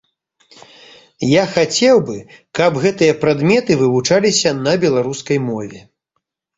Я хацеў бы, каб гэтыя прадметы вывучаліся на беларускай мове.